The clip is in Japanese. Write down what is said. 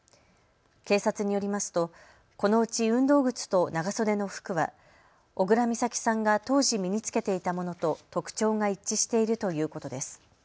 警察によりますとこのうち運動靴と長袖の服は小倉美咲さんが当時身に着けていたものと特徴が一致しているということです。